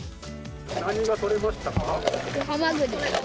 何が採れましたか？